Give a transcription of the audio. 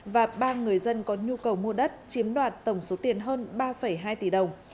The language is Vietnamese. và ba người dân có nhu cầu mua đất chiếm đoạt tổng số tiền hơn ba hai tỷ đồng